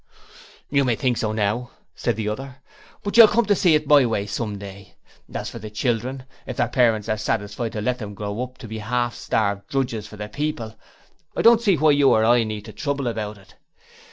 'You may think so now,' said the other, 'but you'll come to see it my way some day. As for the children if their parents are satisfied to let them grow up to be half starved drudges for other people, I don't see why you or I need trouble about it.